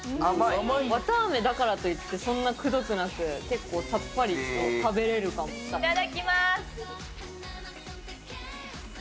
わたあめだからといって、そんなくどくなく、結構、さっぱいただきます。